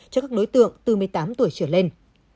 cho các đối tượng từ một mươi tám tuổi trở lên